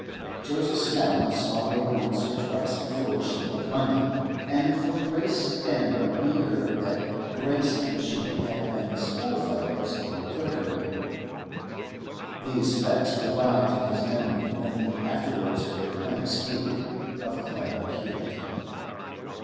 Joseph Snowdon saw her once or twice before she left London, and from Grace Danver he heard that Grace and she had been schoolfellows in Clerkenwell. These facts revived in his memory when he afterwards heard Clem speak of Clara Hewett.